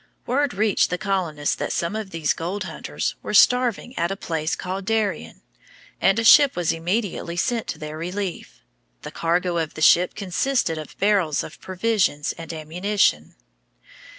Word reached the colonists that some of these gold hunters were starving at a place called Darien, and a ship was immediately sent to their relief. The cargo of the ship consisted of barrels of provisions and ammunition.